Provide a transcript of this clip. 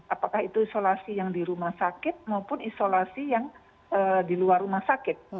apakah itu isolasi yang di rumah sakit maupun isolasi yang di luar rumah sakit